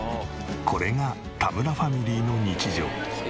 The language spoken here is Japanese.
これが田村ファミリーの日常。